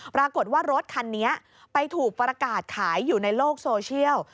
ปรากฏว่ารถคันนี้ไปถูกประกาศขายอยู่ในโลกโซเชียล